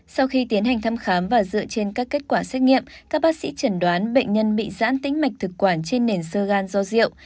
sau khi tiến hành thăm khám và dựa trên các kết quả xét nghiệm các bác sĩ chẩn đoán bệnh nhân bị giãn tính mạch thực quản trên nền sơ gan do rượu